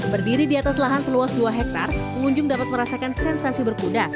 berdiri di atas lahan seluas dua hektare pengunjung dapat merasakan sensasi berkuda